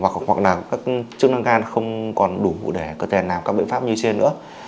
hoặc là các chức năng gan không còn đủ để có thể làm các biện pháp như trên nữa